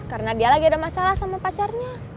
karena dia lagi ada masalah sama pacarnya